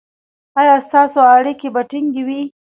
ایا ستاسو اړیکې به ټینګې وي؟